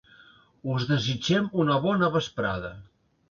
Us desitgem una bona vesprada.